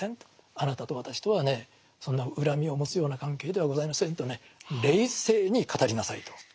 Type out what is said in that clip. あなたと私とはねそんな恨みを持つような関係ではございませんとね冷静に語りなさいと。